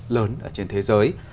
lớn trên thế giới